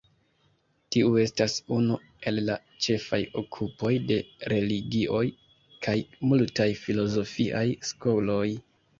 Tiu estas unu el la ĉefaj okupoj de religioj kaj multaj filozofiaj skoloj.